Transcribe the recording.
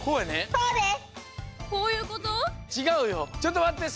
そうです。